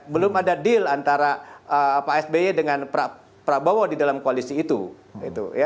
belum ada deal antara pak sby dengan prabowo di dalam koalisi itu